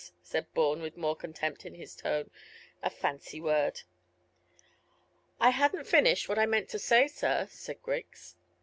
said Bourne, with more contempt in his tone. "A fancy word." "I hadn't finished what I meant to say, sir," said Griggs.